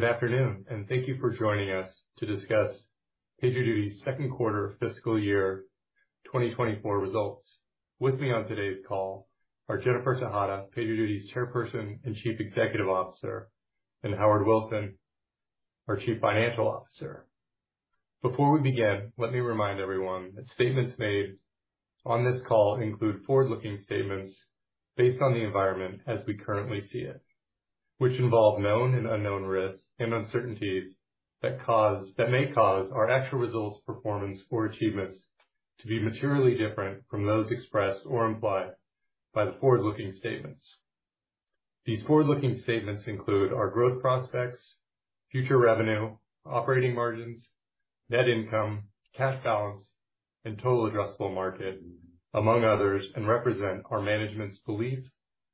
Good afternoon, and thank you for joining us to discuss PagerDuty's Second Quarter Fiscal year 2024 results. With me on today's call are Jennifer Tejada; PagerDuty's Chairperson and Chief Executive Officer, and Howard Wilson; Our Chief Financial Officer. Before we begin, let me remind everyone that statements made on this call include forward-looking statements based on the environment as we currently see it, which involve known and unknown risks and uncertainties that may cause our actual results, performance, or achievements to be materially different from those expressed or implied by the forward-looking statements. These forward-looking statements include our growth prospects, future revenue, operating margins, net income, cash balance, and total addressable market, among others, and represent our management's beliefs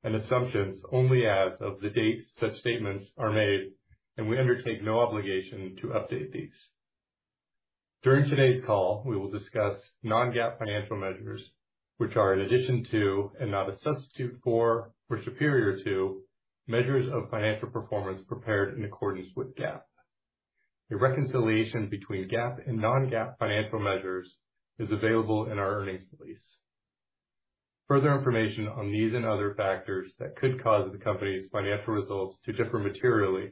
and assumptions only as of the date such statements are made, and we undertake no obligation to update these. During today's call, we will discuss non-GAAP financial measures, which are in addition to and not a substitute for or superior to measures of financial performance prepared in accordance with GAAP. A reconciliation between GAAP and non-GAAP financial measures is available in our earnings release. Further information on these and other factors that could cause the company's financial results to differ materially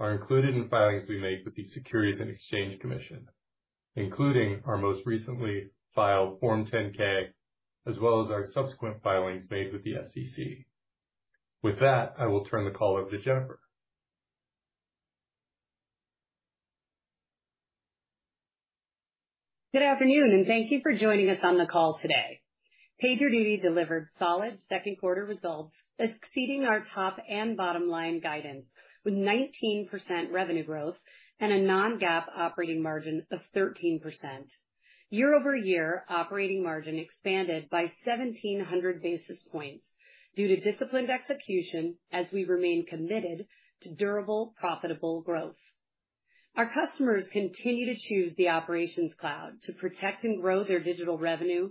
are included in filings we make with the Securities and Exchange Commission, including our most recently filed Form 10-K, as well as our subsequent filings made with the SEC. With that, I will turn the call over to Jennifer. Good afternoon, and thank you for joining us on the call today. PagerDuty delivered solid second quarter results, exceeding our top and bottom line guidance, with 19% revenue growth and a non-GAAP operating margin of 13%. Year-over-year operating margin expanded by 1,700 basis points due to disciplined execution as we remain committed to durable, profitable growth. Our customers continue to choose the Operations Cloud to protect and grow their digital revenue,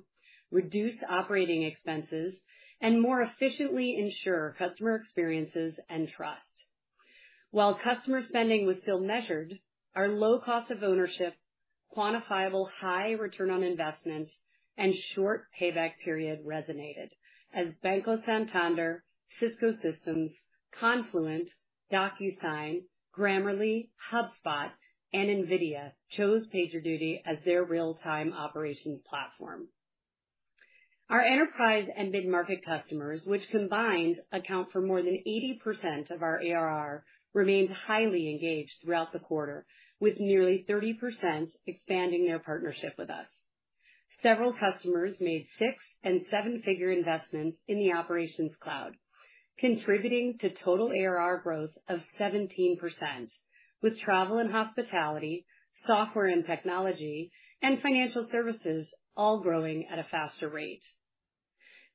reduce operating expenses, and more efficiently ensure customer experiences and trust. While customer spending was still measured, our low cost of ownership, quantifiable high return on investment, and short payback period resonated as Banco Santander, Cisco Systems, Confluent, DocuSign, Grammarly, HubSpot, and NVIDIA chose PagerDuty as their real-time operations platform. Our enterprise and mid-market customers, which combined account for more than 80% of our ARR, remained highly engaged throughout the quarter, with nearly 30% expanding their partnership with us. Several customers made six- and seven-figure investments in the Operations Cloud, contributing to total ARR growth of 17%, with travel and hospitality, software and technology, and financial services all growing at a faster rate.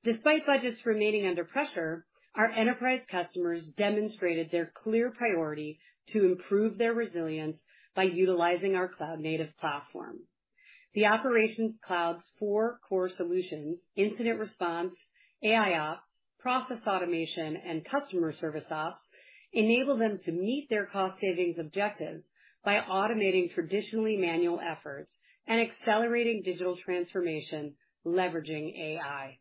Despite budgets remaining under pressure, our enterprise customers demonstrated their clear priority to improve their resilience by utilizing our cloud-native platform. The Operations Cloud's four core solutions, Incident Response, AIOps, Process Automation, and Customer Service Ops, enable them to meet their cost savings objectives by automating traditionally manual efforts and accelerating digital transformation, leveraging AI.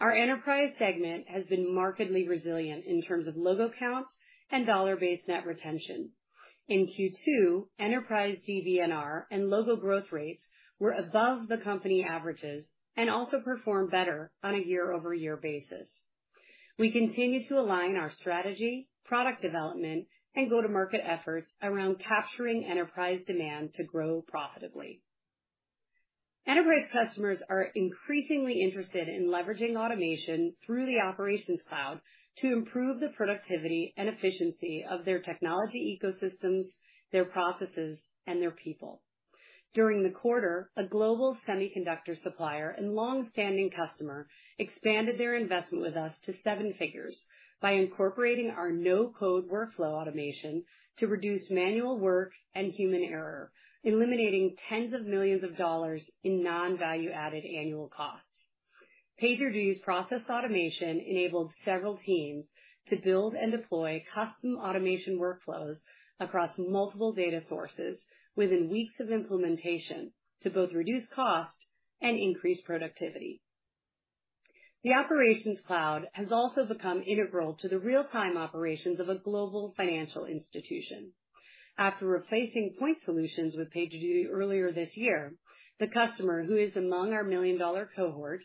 Our enterprise segment has been markedly resilient in terms of logo count and dollar-based net retention. In Q2, enterprise DBNR and logo growth rates were above the company averages and also performed better on a year-over-year basis. We continue to align our strategy, product development, and go-to-market efforts around capturing enterprise demand to grow profitably. Enterprise customers are increasingly interested in leveraging automation through the Operations Cloud to improve the productivity and efficiency of their technology ecosystems, their processes, and their people. During the quarter, a global semiconductor supplier and long-standing customer expanded their investment with us to seven figures by incorporating our no-code workflow automation to reduce manual work and human error, eliminating $10s of millions in non-value-added annual costs. PagerDuty's Process Automation enabled several teams to build and deploy custom automation workflows across multiple data sources within weeks of implementation to both reduce cost and increase productivity. The Operations Cloud has also become integral to the real-time operations of a global financial institution. After replacing point solutions with PagerDuty earlier this year, the customer, who is among our million-dollar cohort,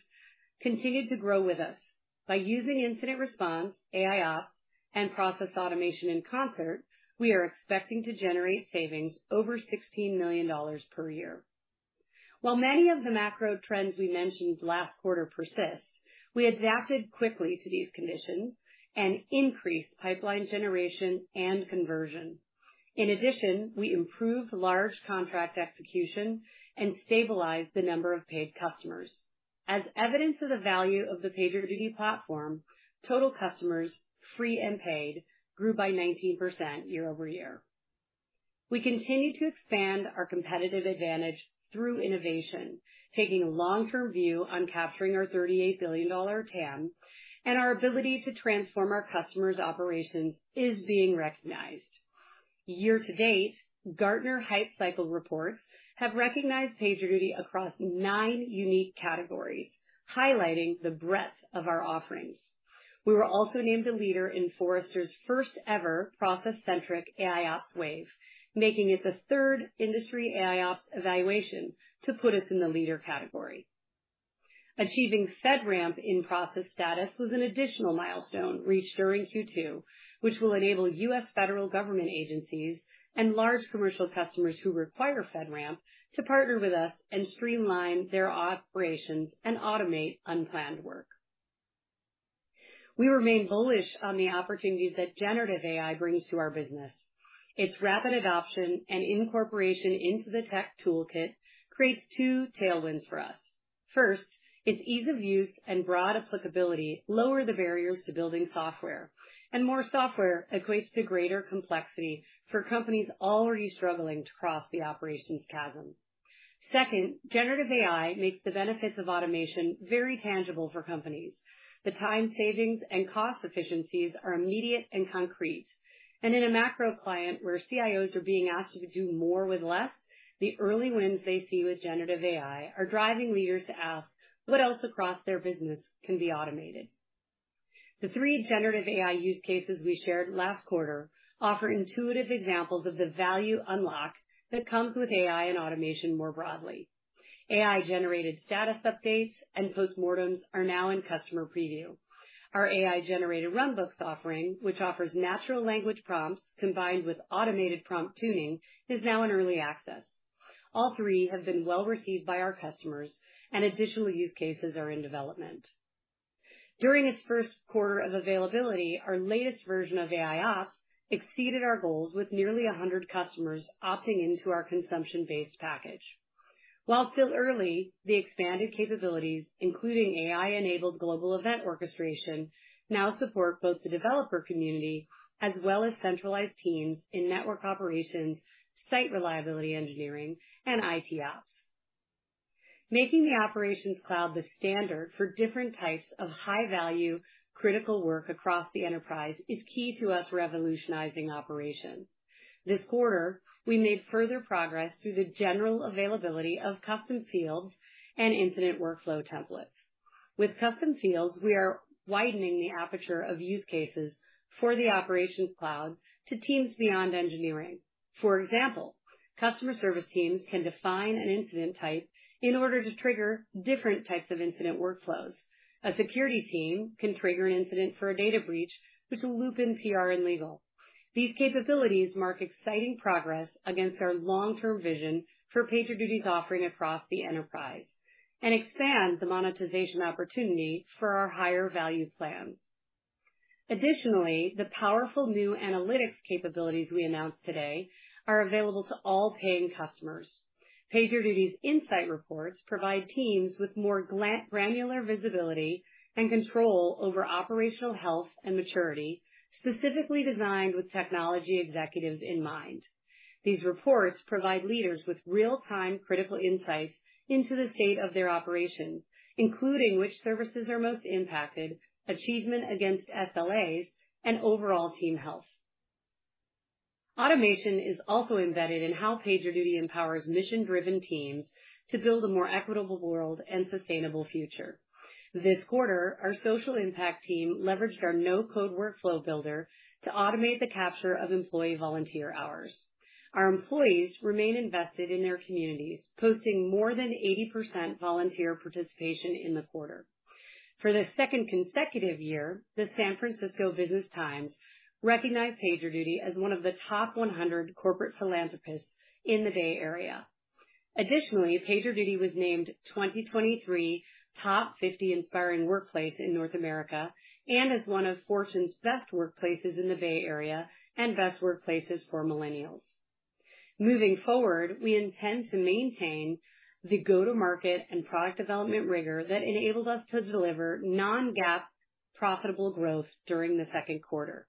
continued to grow with us. By using Incident Response, AIOps, and Process Automation in concert, we are expecting to generate savings over $16 million per year. While many of the macro trends we mentioned last quarter persist, we adapted quickly to these conditions and increased pipeline generation and conversion. In addition, we improved large contract execution and stabilized the number of paid customers. As evidence of the value of the PagerDuty platform, total customers, free and paid, grew by 19% year-over-year. We continue to expand our competitive advantage through innovation, taking a long-term view on capturing our $38 billion TAM, and our ability to transform our customers' operations is being recognized. Year to date, Gartner Hype Cycle reports have recognized PagerDuty across nine unique categories, highlighting the breadth of our offerings. We were also named a leader in Forrester's first-ever process-centric AIOps Wave, making it the third industry AIOps evaluation to put us in the leader category. Achieving FedRAMP in-process status was an additional milestone reached during Q2, which will enable U.S. federal government agencies and large commercial customers who require FedRAMP to partner with us and streamline their operations and automate unplanned work. We remain bullish on the opportunities that generative AI brings to our business. Its rapid adoption and incorporation into the tech toolkit creates two tailwinds for us. First, its ease of use and broad applicability lower the barriers to building software, and more software equates to greater complexity for companies already struggling to cross the operations chasm. Second, generative AI makes the benefits of automation very tangible for companies. The time savings and cost efficiencies are immediate and concrete, and in a macro climate, where CIOs are being asked to do more with less, the early wins they see with generative AI are driving leaders to ask what else across their business can be automated. The three generative AI use cases we shared last quarter offer intuitive examples of the value unlock that comes with AI and automation more broadly. AI-generated status updates and postmortems are now in customer preview. Our AI-generated runbooks offering, which offers natural language prompts combined with automated prompt tuning, is now in early access. All three have been well received by our customers, and additional use cases are in development. During its first quarter of availability, our latest version of AIOps exceeded our goals, with nearly 100 customers opting into our consumption-based package. While still early, the expanded capabilities, including AI-enabled global event orchestration, now support both the developer community as well as centralized teams in network operations, site reliability engineering, and ITOps. Making the Operations Cloud the standard for different types of high-value, critical work across the enterprise is key to us revolutionizing operations. This quarter, we made further progress through the general availability of custom fields and incident workflow templates. With custom fields, we are widening the aperture of use cases for the Operations Cloud to teams beyond engineering. For example, customer service teams can define an incident type in order to trigger different types of incident workflows. A security team can trigger an incident for a data breach, which will loop in PR and legal. These capabilities mark exciting progress against our long-term vision for PagerDuty's offering across the enterprise and expand the monetization opportunity for our higher value plans. Additionally, the powerful new analytics capabilities we announced today are available to all paying customers. PagerDuty's insight reports provide teams with more granular visibility and control over operational health and maturity, specifically designed with technology executives in mind. These reports provide leaders with real-time critical insights into the state of their operations, including which services are most impacted, achievement against SLAs, and overall team health. Automation is also embedded in how PagerDuty empowers mission-driven teams to build a more equitable world and sustainable future. This quarter, our social impact team leveraged our no-code workflow builder to automate the capture of employee volunteer hours. Our employees remain invested in their communities, posting more than 80% volunteer participation in the quarter. For the second consecutive year, the San Francisco Business Times recognized PagerDuty as one of the top 100 corporate philanthropists in the Bay Area. Additionally, PagerDuty was named 2023 top 50 inspiring workplace in North America and is one of Fortune's best workplaces in the Bay Area and best workplaces for millennials. Moving forward, we intend to maintain the go-to-market and product development rigor that enabled us to deliver non-GAAP profitable growth during the second quarter.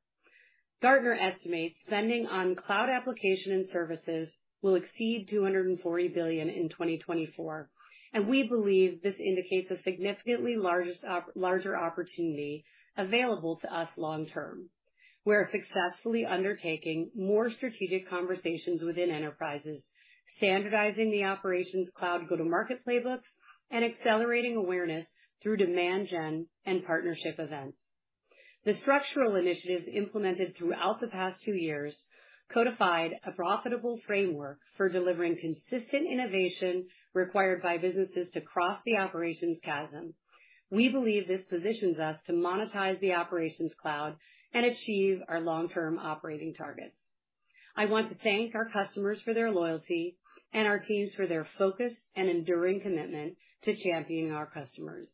Gartner estimates spending on cloud application and services will exceed $240 billion in 2024, and we believe this indicates a significantly larger opportunity available to us long term. We are successfully undertaking more strategic conversations within enterprises, standardizing the Operations Cloud go-to-market playbooks, and accelerating awareness through demand gen and partnership events. The structural initiatives implemented throughout the past two years codified a profitable framework for delivering consistent innovation required by businesses to cross the operations chasm. We believe this positions us to monetize the Operations Cloud and achieve our long-term operating targets. I want to thank our customers for their loyalty and our teams for their focus and enduring commitment to championing our customers.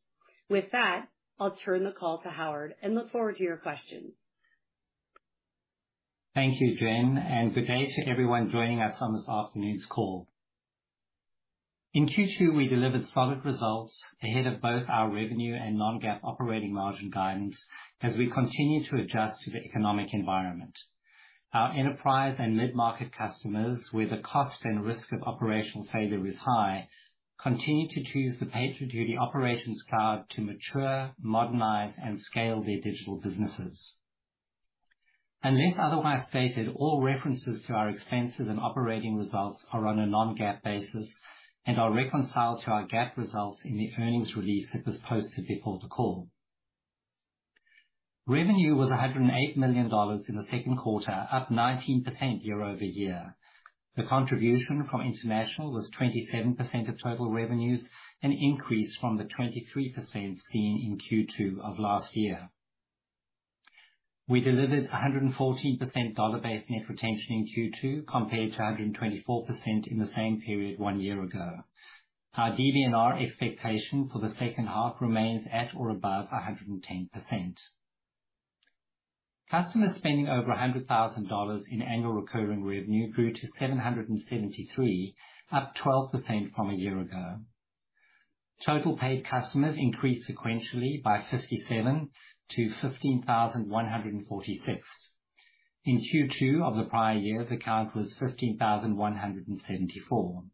With that, I'll turn the call to Howard and look forward to your questions. Thank you, Jen, and good day to everyone joining us on this afternoon's call. In Q2, we delivered solid results ahead of both our revenue and non-GAAP operating margin guidance as we continue to adjust to the economic environment. Our enterprise and mid-market customers, where the cost and risk of operational failure is high, continue to choose the PagerDuty Operations Cloud to mature, modernize, and scale their digital businesses. Unless otherwise stated, all references to our expenses and operating results are on a non-GAAP basis and are reconciled to our GAAP results in the earnings release that was posted before the call. Revenue was $108 million in the second quarter, up 19% year-over-year. The contribution from international was 27% of total revenues, an increase from the 23% seen in Q2 of last year. We delivered 114% dollar-based net retention in Q2, compared to 124% in the same period one year ago. Our DBNR expectation for the second half remains at or above 110%. Customer spending over $100,000 in annual recurring revenue grew to 773, up 12% from a year ago. Total paid customers increased sequentially by 57 to 15,146. In Q2 of the prior year, the count was 15,174.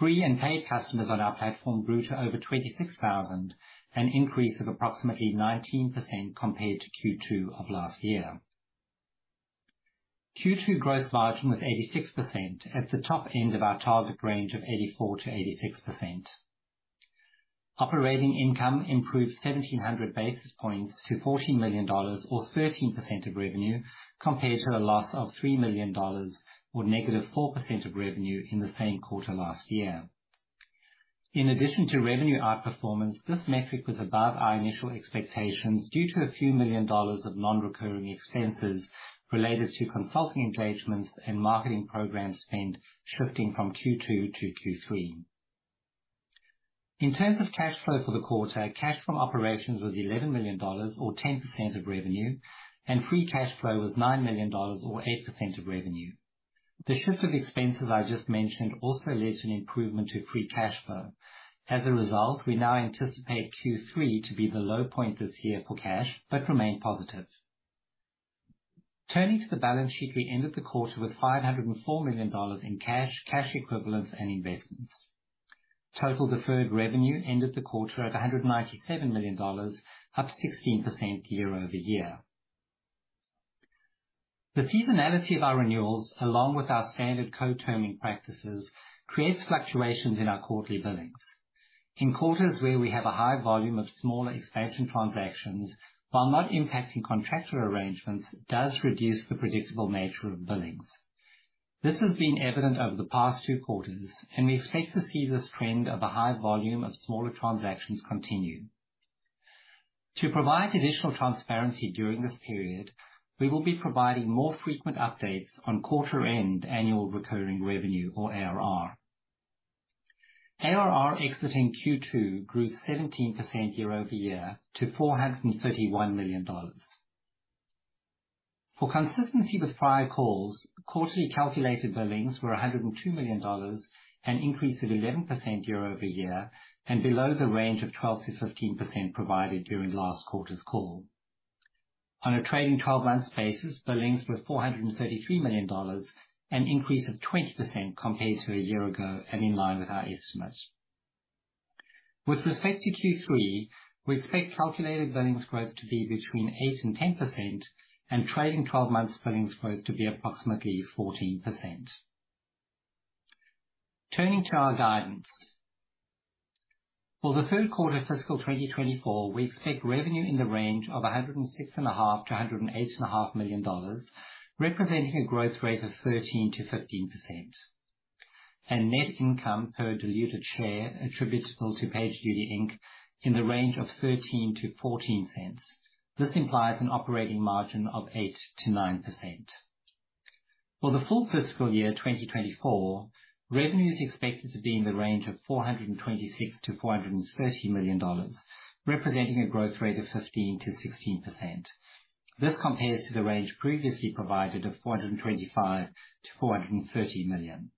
Free and paid customers on our platform grew to over 26,000, an increase of approximately 19% compared to Q2 of last year. Q2 gross margin was 86%, at the top end of our target range of 84%-86%. Operating income improved 1,700 basis points to $14 million, or 13% of revenue, compared to a loss of $3 million, or negative 4% of revenue, in the same quarter last year. In addition to revenue outperformance, this metric was above our initial expectations due to $a few million of non-recurring expenses related to consulting engagements and marketing program spend shifting from Q2 to Q3. In terms of cash flow for the quarter, cash from operations was $11 million, or 10% of revenue, and free cash flow was $9 million, or 8% of revenue. The shift of expenses I just mentioned also led to an improvement to free cash flow. As a result, we now anticipate Q3 to be the low point this year for cash, but remain positive. Turning to the balance sheet, we ended the quarter with $504 million in cash, cash equivalents, and investments. Total deferred revenue ended the quarter at $197 million, up 16% year-over-year. The seasonality of our renewals, along with our standard co-terming practices, creates fluctuations in our quarterly billings. In quarters where we have a high volume of smaller expansion transactions, while not impacting contractual arrangements, does reduce the predictable nature of billings. This has been evident over the past two quarters, and we expect to see this trend of a high volume of smaller transactions continue. To provide additional transparency during this period, we will be providing more frequent updates on quarter-end annual recurring revenue or ARR. ARR exiting Q2 grew 17% year-over-year to $431 million. For consistency with prior calls, quarterly calculated billings were $102 million, an increase of 11% year-over-year, and below the range of 12%-15% provided during last quarter's call. On a trailing twelve months basis, billings were $433 million, an increase of 20% compared to a year ago and in line with our estimates. With respect to Q3, we expect calculated billings growth to be between 8%-10% and trailing twelve months billings growth to be approximately 14%. Turning to our guidance. For the third quarter fiscal 2024, we expect revenue in the range of $106.5 million-$108.5 million, representing a growth rate of 13%-15%, and net income per diluted share attributable to PagerDuty Inc. in the range of $0.13-$0.14. This implies an operating margin of 8%-9%. For the full fiscal year 2024, revenue is expected to be in the range of $426 million-$430 million, representing a growth rate of 15%-16%. This compares to the range previously provided of $425-430 million.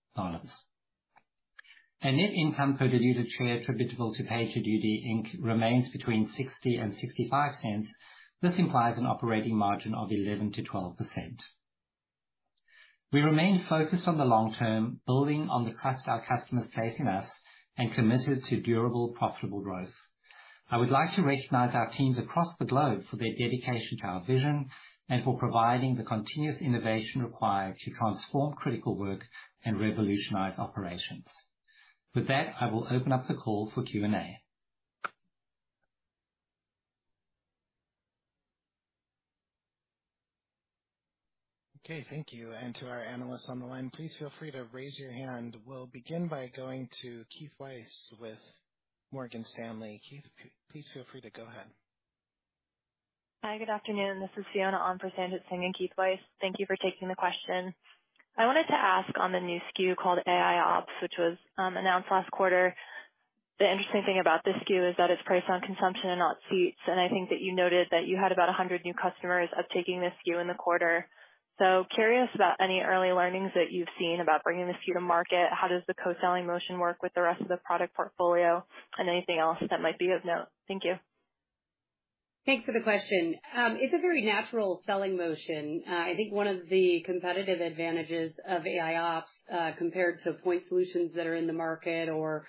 Net income per diluted share attributable to PagerDuty Inc. remains between $0.60 and $0.65. This implies an operating margin of 11%-12%. We remain focused on the long term, building on the trust our customers place in us, and committed to durable, profitable growth. I would like to recognize our teams across the globe for their dedication to our vision and for providing the continuous innovation required to transform critical work and revolutionize operations. With that, I will open up the call for Q&A. Okay, thank you. And to our analysts on the line, please feel free to raise your hand. We'll begin by going to Keith Weiss with Morgan Stanley. Keith, please feel free to go ahead. Hi, good afternoon. This is Fiona on for Sanjay Singh and Keith Weiss. Thank you for taking the question. I wanted to ask on the new SKU called AIOps, which was announced last quarter. The interesting thing about this SKU is that it's priced on consumption and not seats. And I think that you noted that you had about 100 new customers uptaking this SKU in the quarter. So curious about any early learnings that you've seen about bringing this SKU to market. How does the co-selling motion work with the rest of the product portfolio? And anything else that might be of note. Thank you. Thanks for the question. It's a very natural selling motion. I think one of the competitive advantages of AIOps, compared to point solutions that are in the market or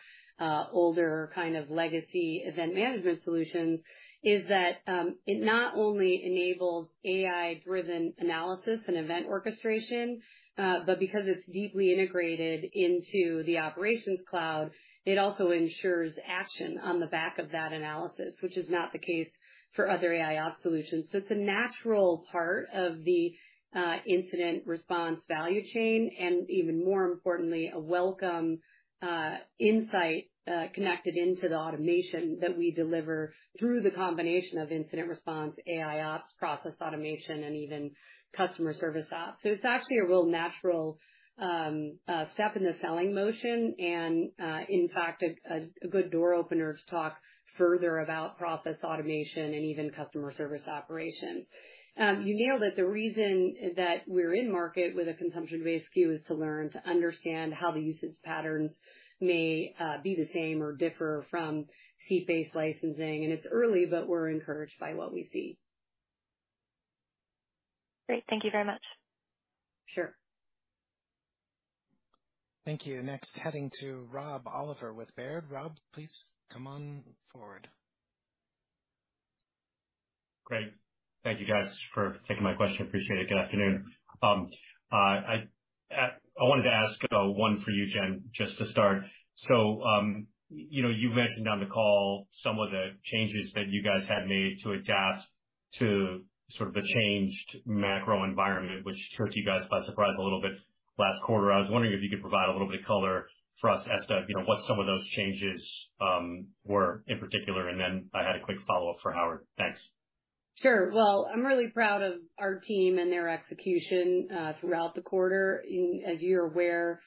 older kind of legacy event management solutions, is that it not only enables AI-driven analysis and event orchestration, but because it's deeply integrated into the Operations Cloud, it also ensures action on the back of that analysis, which is not the case for other AIOps solutions. So it's a natural part of the incident response value chain, and even more importantly, a welcome insight connected into the automation that we deliver through the combination of Incident Response, AIOps, Process Automation, and even Customer Service Ops. So it's actually a real natural step in the selling motion and, in fact, a good door opener to talk further about process automation and even customer service operations. You nailed it. The reason that we're in market with a consumption-based SKU is to learn, to understand how the usage patterns may be the same or differ from seat-based licensing. It's early, but we're encouraged by what we see. Great. Thank you very much. Sure. Thank you. Next, heading to Rob Oliver with Baird. Rob, please come on forward. Great. Thank you, guys, for taking my question. Appreciate it. Good afternoon. I wanted to ask one for you, Jen, just to start. So, you know, you've mentioned on the call some of the changes that you guys have made to adapt to sort of the changed macro environment, which caught you guys by surprise a little bit last quarter. I was wondering if you could provide a little bit of color for us as to, you know, what some of those changes were in particular, and then I had a quick follow-up for Howard. Thanks. Sure. Well, I'm really proud of our team and their execution throughout the quarter. As you're aware,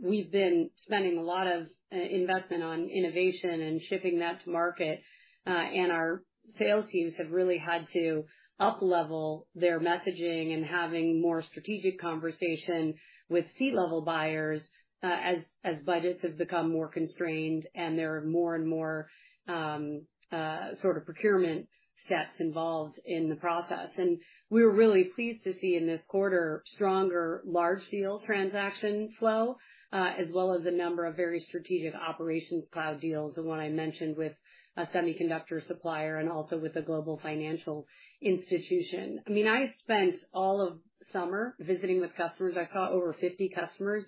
we've been spending a lot of investment on innovation and shipping that to market, and our sales teams have really had to uplevel their messaging and having more strategic conversation with C-level buyers, as budgets have become more constrained, and there are more and more sort of procurement steps involved in the process. And we're really pleased to see in this quarter, stronger large deal transaction flow, as well as a number of very strategic Operations Cloud deals, the one I mentioned with a semiconductor supplier and also with a global financial institution. I mean, I spent all of summer visiting with customers. I saw over 50 customers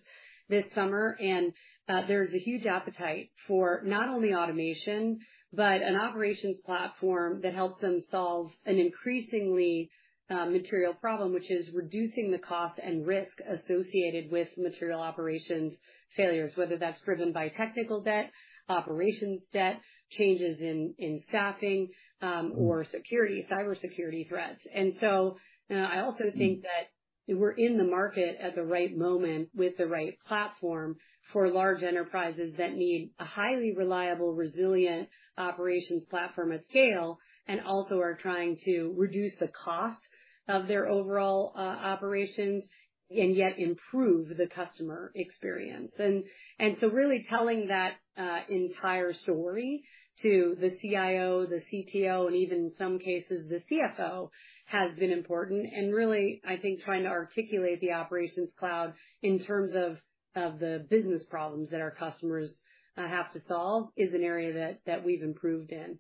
this summer, and there's a huge appetite for not only automation, but an operations platform that helps them solve an increasingly material problem, which is reducing the cost and risk associated with material operations failures, whether that's driven by technical debt, operations debt, changes in staffing, or security, cybersecurity threats. And so I also think that we're in the market at the right moment with the right platform for large enterprises that need a highly reliable, resilient operations platform at scale, and also are trying to reduce the cost of their overall operations and yet improve the customer experience. And so really telling that entire story to the CIO, the CTO, and even in some cases the CFO, has been important. Really, I think trying to articulate the Operations Cloud in terms of the business problems that our customers have to solve is an area that we've improved in.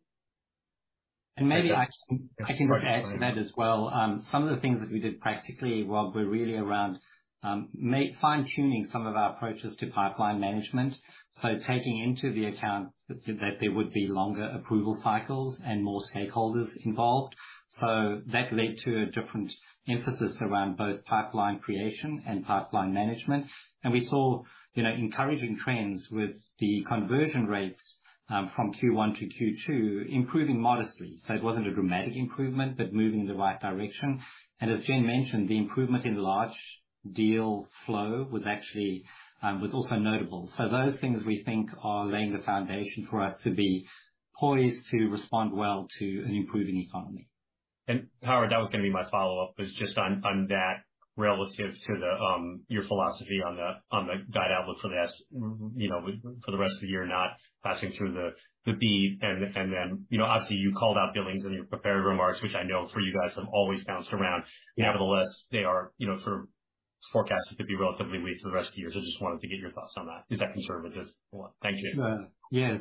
And maybe I can- Right. I can add to that as well. Some of the things that we did practically, Rob, were really around fine-tuning some of our approaches to pipeline management. So taking into account that there would be longer approval cycles and more stakeholders involved. So that led to a different emphasis around both pipeline creation and pipeline management. And we saw, you know, encouraging trends with the conversion rates from Q1 to Q2, improving modestly. So it wasn't a dramatic improvement, but moving in the right direction. And as Jen mentioned, the improvement in large deal flow was actually also notable. So those things we think are laying the foundation for us to be poised to respond well to an improving economy. And Howard, that was gonna be my follow-up, was just on, on that relative to the, your philosophy on the, on the guide outlook for the S- you know, for the rest of the year, not passing through the, the beat. And, and then, you know, obviously you called out billings in your prepared remarks, which I know for you guys have always bounced around. Yeah. Nevertheless, they are, you know, sort of forecasted to be relatively late for the rest of the year. So I just wanted to get your thoughts on that. Is that conservative as well? Thank you. Sure. Yeah.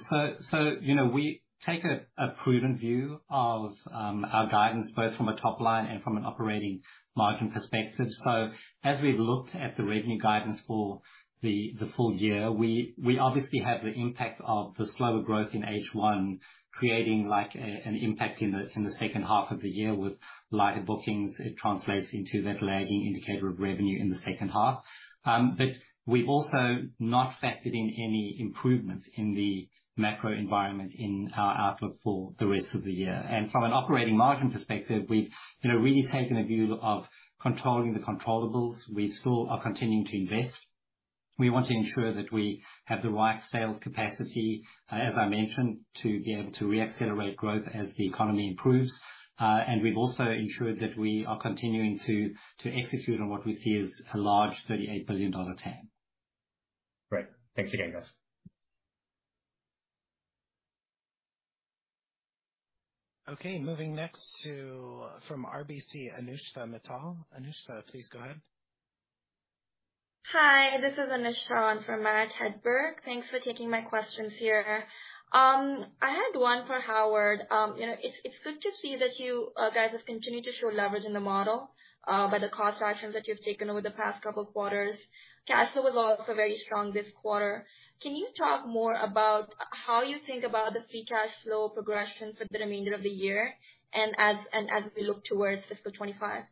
So, you know, we take a prudent view of our guidance, both from a top line and from an operating margin perspective. So as we've looked at the revenue guidance for the full year, we obviously have the impact of the slower growth in H1, creating, like, an impact in the second half of the year with lighter bookings. It translates into that lagging indicator of revenue in the second half. But we've also not factored in any improvements in the macro environment in our outlook for the rest of the year. And from an operating margin perspective, we've, you know, really taken a view of controlling the controllables. We still are continuing to invest.... We want to ensure that we have the right sales capacity, as I mentioned, to be able to reaccelerate growth as the economy improves. And we've also ensured that we are continuing to, to execute on what we see as a large $38 billion TAM. Great. Thanks again, guys. Okay, moving next to, from RBC, Anushtha Mittal. Anushtha, please go ahead. Hi, this is Anushtha from RBC Capital Markets. Thanks for taking my questions here. I had one for Howard. You know, it's good to see that you guys have continued to show leverage in the model by the cost actions that you've taken over the past couple of quarters. Cash flow was also very strong this quarter. Can you talk more about how you think about the free cash flow progression for the remainder of the year and as we look towards fiscal 25?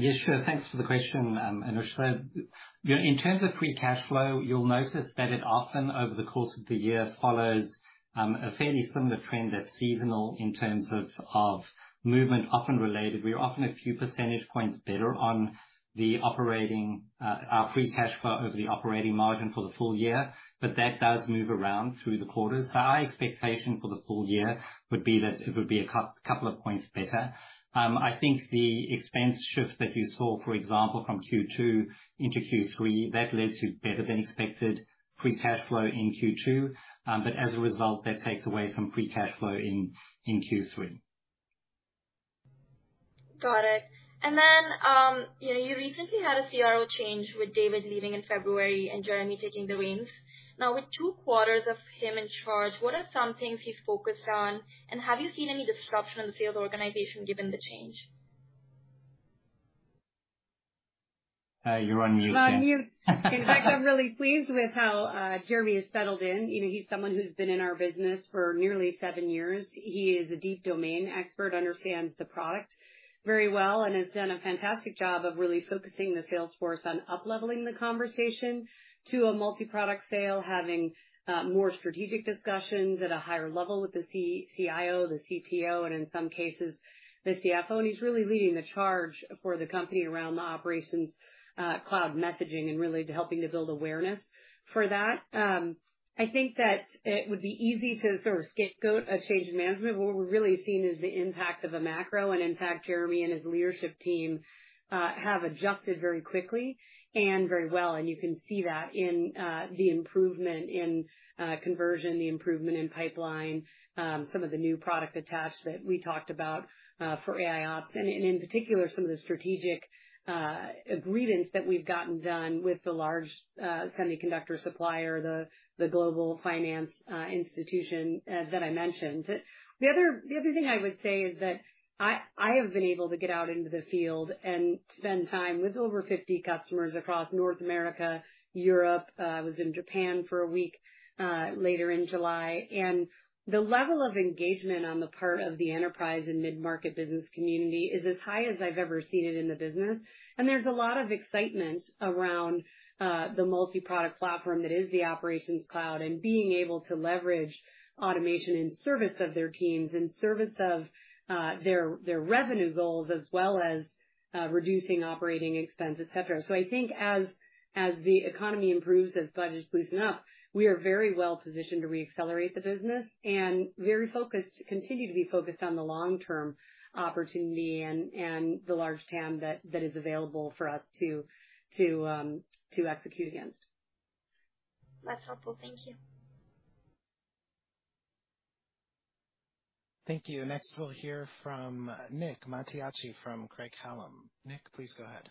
Yeah, sure. Thanks for the question, Anushtha. You know, in terms of free cash flow, you'll notice that it often, over the course of the year, follows a fairly similar trend that's seasonal in terms of, of movement, often related. We are often a few percentage points better on the operating, our free cash flow over the operating margin for the full year, but that does move around through the quarters. Our expectation for the full year would be that it would be a couple of points better. I think the expense shift that you saw, for example, from Q2 into Q3, that led to better-than-expected free cash flow in Q2, but as a result, that takes away some free cash flow in Q3. Got it. And then, you know, you recently had a CRO change with David leaving in February and Jeremy taking the reins. Now, with two quarters of him in charge, what are some things he's focused on? And have you seen any disruption in the sales organization given the change? You're on mute, Jen. You're on mute. In fact, I'm really pleased with how Jeremy has settled in. You know, he's someone who's been in our business for nearly seven years. He is a deep domain expert, understands the product very well, and has done a fantastic job of really focusing the sales force on upleveling the conversation to a multi-product sale, having more strategic discussions at a higher level with the CIO, the CPO, and in some cases, the CFO. And he's really leading the charge for the company around the Operations Cloud messaging and really to helping to build awareness for that. I think that it would be easy to sort of scapegoat a change in management. What we're really seeing is the impact of a macro. In fact, Jeremy and his leadership team have adjusted very quickly and very well, and you can see that in the improvement in conversion, the improvement in pipeline, some of the new product attach that we talked about for AIOps, and in particular, some of the strategic agreements that we've gotten done with the large semiconductor supplier, the global finance institution that I mentioned. The other thing I would say is that I have been able to get out into the field and spend time with over 50 customers across North America, Europe. I was in Japan for a week later in July. The level of engagement on the part of the enterprise and mid-market business community is as high as I've ever seen it in the business. And there's a lot of excitement around the multi-product platform that is the Operations Cloud, and being able to leverage automation in service of their teams, in service of their, their revenue goals, as well as reducing operating expense, et cetera. So I think as the economy improves, as budgets loosen up, we are very well positioned to reaccelerate the business and very focused to continue to be focused on the long-term opportunity and the large TAM that is available for us to execute against. That's helpful. Thank you. Thank you. Next, we'll hear from Nick Mattiacci from Craig-Hallum. Nick, please go ahead.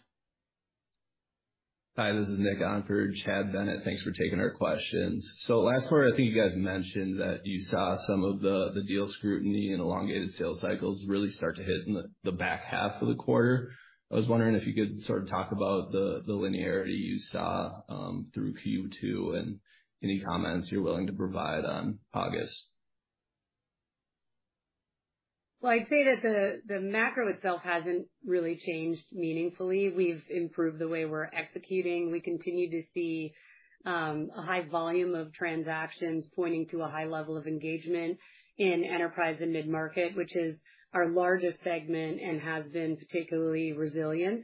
Hi, this is Nick on for Nick Mattiacci. Thanks for taking our questions. So last quarter, I think you guys mentioned that you saw some of the deal scrutiny and elongated sales cycles really start to hit in the back half of the quarter. I was wondering if you could sort of talk about the linearity you saw through Q2, and any comments you're willing to provide on August. Well, I'd say that the macro itself hasn't really changed meaningfully. We've improved the way we're executing. We continue to see a high volume of transactions pointing to a high level of engagement in enterprise and mid-market, which is our largest segment and has been particularly resilient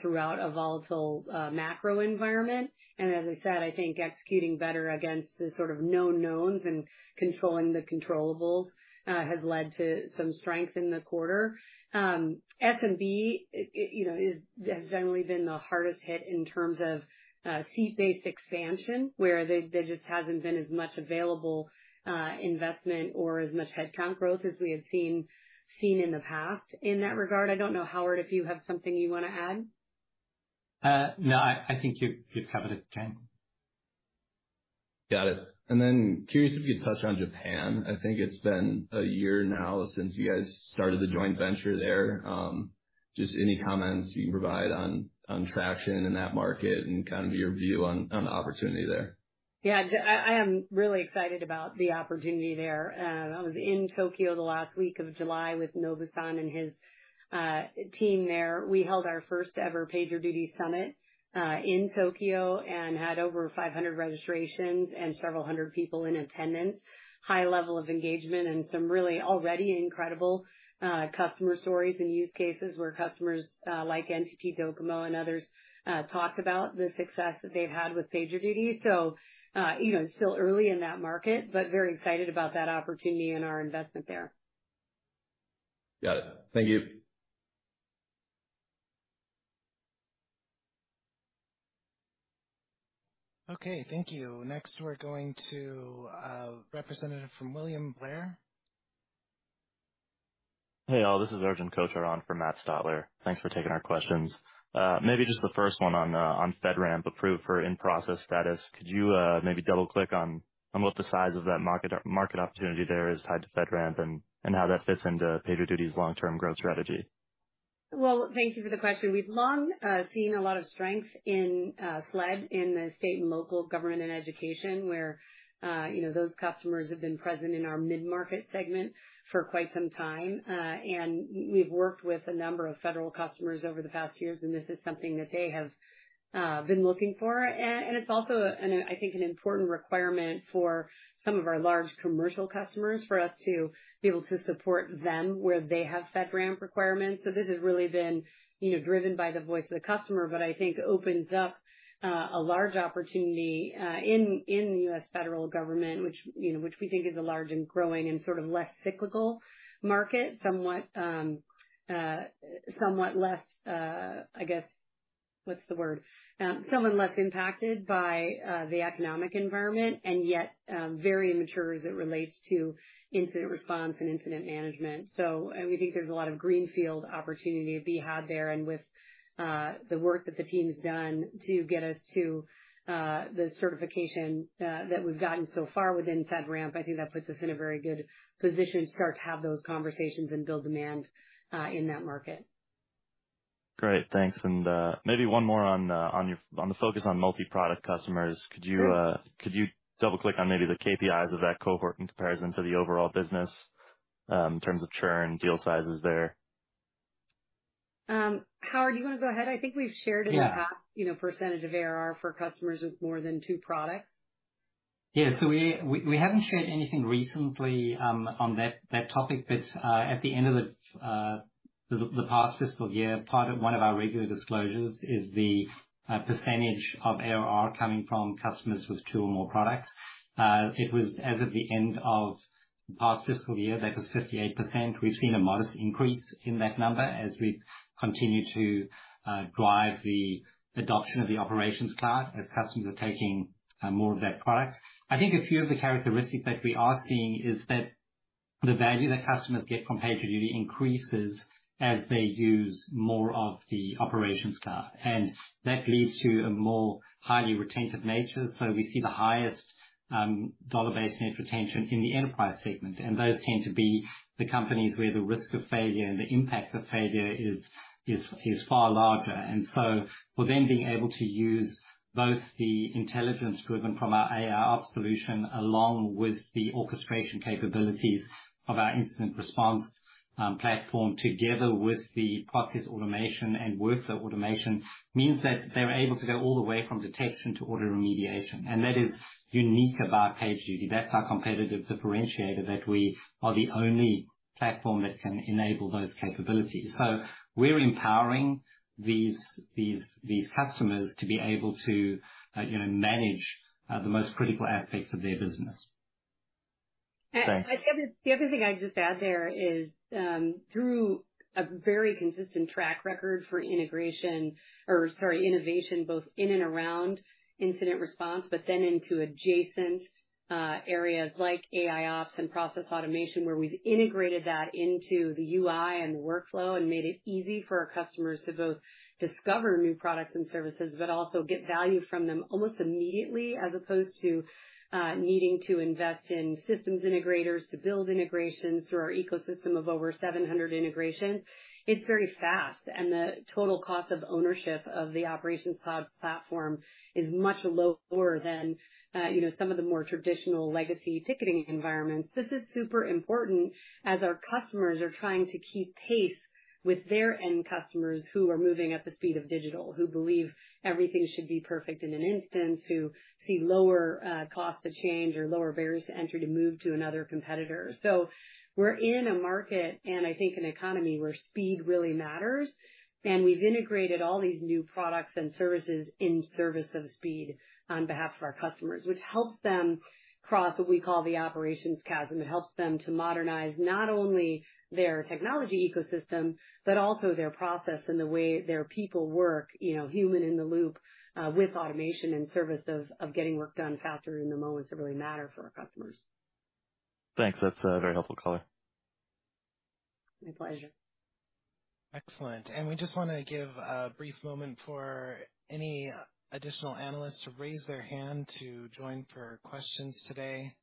throughout a volatile macro environment. And as I said, I think executing better against the sort of known knowns and controlling the controllables has led to some strength in the quarter. SMB, you know, has generally been the hardest hit in terms of seat-based expansion, where there just hasn't been as much available investment or as much headcount growth as we had seen in the past in that regard. I don't know, Howard, if you have something you want to add? No, I, I think you've, you've covered it, Jen. Got it. And then curious if you'd touch on Japan. I think it's been a year now since you guys started the joint venture there. Just any comments you can provide on traction in that market and kind of your view on the opportunity there? Yeah, J- I, I am really excited about the opportunity there. I was in Tokyo the last week of July with Nobu-san and his team there. We held our first ever PagerDuty Summit in Tokyo and had over 500 registrations and several hundred people in-attendance. High level of engagement and some really already incredible customer stories and use cases where customers like NTT DOCOMO and others talked about the success that they've had with PagerDuty. So, you know, still early in that market, but very excited about that opportunity and our investment there. Got it. Thank you. Okay, thank you. Next, we're going to a representative from William Blair. Hey, all, this is Arjun Bhatia for Matt Stotler. Thanks for taking our questions. Maybe just the first one on, on FedRAMP approved for in-process status. Could you, maybe double-click on, on what the size of that market, market opportunity there is tied to FedRAMP and, and how that fits into PagerDuty's long-term growth strategy? Well, thank you for the question. We've long seen a lot of strength in SLED in the state and local government and education, where you know, those customers have been present in our mid-market segment for quite some time. And we've worked with a number of federal customers over the past years, and this is something that they have been looking for. And it's also an, I think, an important requirement for some of our large commercial customers, for us to be able to support them where they have FedRAMP requirements. So this has really been, you know, driven by the voice of the customer, but I think opens up a large opportunity in the U.S. federal government, which, you know, which we think is a large and growing and sort of less cyclical market. Somewhat, somewhat less... I guess, what's the word? Somewhat less impacted by the economic environment, and yet very immature as it relates to incident response and incident management. So we think there's a lot of greenfield opportunity to be had there. And with the work that the team's done to get us to the certification that we've gotten so far within FedRAMP, I think that puts us in a very good position to start to have those conversations and build demand in that market. Great, thanks. And, maybe one more on, on your- on the focus on multi-product customers. Could you, could you double-click on maybe the KPIs of that cohort in comparison to the overall business, in terms of churn, deal sizes there? Howard, do you want to go ahead? I think we've shared- Yeah. - in the past, you know, percentage of ARR for customers with more than two products. Yeah. So we haven't shared anything recently on that topic, but at the end of the past fiscal year, part of one of our regular disclosures is the percentage of ARR coming from customers with two or more products. It was as of the end of last fiscal year, that was 58%. We've seen a modest increase in that number as we continue to drive the adoption of the Operations Cloud, as customers are taking more of that product. I think a few of the characteristics that we are seeing is that the value that customers get from PagerDuty increases as they use more of the Operations Cloud, and that leads to a more highly retentive nature. So we see the highest dollar-based net retention in the enterprise segment, and those tend to be the companies where the risk of failure and the impact of failure is far larger. So for them being able to use both the intelligence driven from our AIOps solution, along with the orchestration capabilities of our Incident Response platform, together with the Process Automation and workflow automation, means that they're able to go all the way from detection to auto remediation, and that is unique about PagerDuty. That's our competitive differentiator, that we are the only platform that can enable those capabilities. So we're empowering these customers to be able to you know manage the most critical aspects of their business. Thanks. The other thing I'd just add there is, through a very consistent track record for innovation, both in and around Incident Response, but then into adjacent areas like AIOps and Process Automation, where we've integrated that into the UI and the workflow and made it easy for our customers to both discover new products and services, but also get value from them almost immediately, as opposed to needing to invest in systems integrators to build integrations through our ecosystem of over 700 integrations. It's very fast, and the total cost of ownership of the Operations Cloud platform is much lower than, you know, some of the more traditional legacy ticketing environments. This is super important as our customers are trying to keep pace with their end customers, who are moving at the speed of digital, who believe everything should be perfect in an instant, who see lower cost to change or lower barriers to entry to move to another competitor. So we're in a market, and I think an economy, where speed really matters, and we've integrated all these new products and services in service of speed on behalf of our customers, which helps them cross what we call the operations chasm. It helps them to modernize not only their technology ecosystem, but also their process and the way their people work, you know, human in the loop with automation and service of getting work done faster in the moments that really matter for our customers. Thanks. That's a very helpful color. My pleasure. Excellent. We just want to give a brief moment for any additional analysts to raise their hand to join for questions today.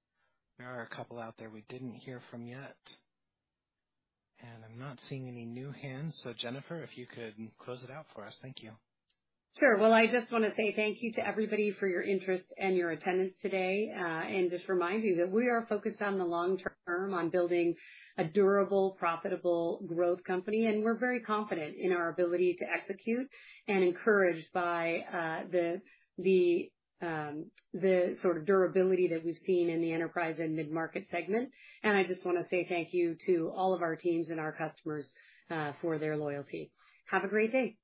There are a couple out there we didn't hear from yet. I'm not seeing any new hands, so Jennifer, if you could close it out for us. Thank you. Sure. Well, I just want to say thank you to everybody for your interest and your attendance today, and just remind you that we are focused on the long term, on building a durable, profitable growth company, and we're very confident in our ability to execute and encouraged by the sort of durability that we've seen in the enterprise and mid-market segment. I just want to say thank you to all of our teams and our customers for their loyalty. Have a great day.